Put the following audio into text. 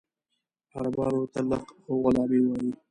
عربان ورته لق او غلامي وایي.